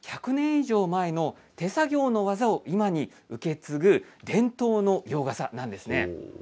以上前の手作業の技を今に受け継ぐ、伝統の洋傘なんですね。